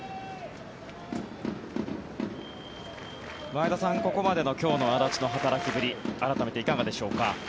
前田さん、ここまでの今日の安達の働きぶり改めていかがでしょうか。